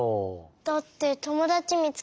だってともだちみつけたから。